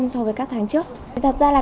so với các tháng trước thật ra là